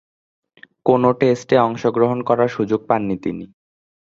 কোন টেস্টে অংশগ্রহণ করার সুযোগ পাননি তিনি।